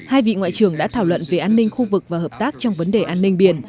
hai vị ngoại trưởng đã thảo luận về an ninh khu vực và hợp tác trong vấn đề an ninh biển